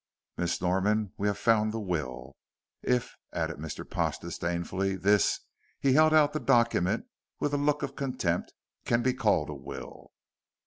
"Miss Norman, we have found the will if," added Mr. Pash, disdainfully, "this," he held out the document with a look of contempt, "can be called a will."